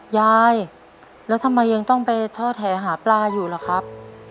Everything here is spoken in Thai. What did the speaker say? ยายแล้วทำไมยังต้องไปท่อแถหาปลาอยู่ล่ะครับ